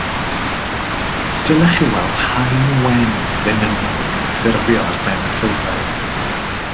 Dylech chi weld haen wen linynnog yn ffurfio ar ben y sylwedd